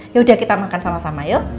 yaudah kita makan sama sama yuk